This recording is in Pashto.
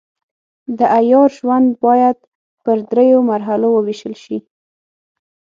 د عیار ژوند باید پر دریو مرحلو وویشل شي.